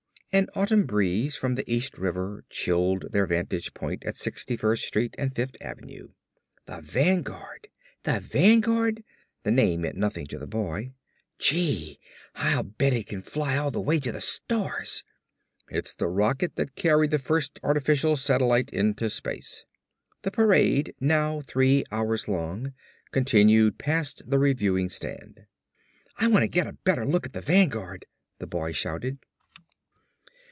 An autumn breeze from the East River chilled their vantage point at Sixty First Street and Fifth Avenue. "The Vanguard?" The name meant nothing to the boy. "Gee, I'll bet it can fly all the way to the stars!" "It's the rocket that carried the first artificial satellite into space." The parade, now three hours old, continued past the reviewing stand. "I wanna get a better look at the Vanguard!" the boy shouted.